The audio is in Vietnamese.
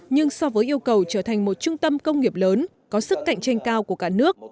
nhưng so với yêu cầu trở thành một trung tâm công nghiệp lớn có sức cạnh tranh cao của cả nước